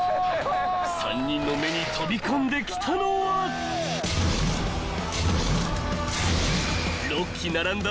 ［３人の目に飛び込んできたのは６機並んだ］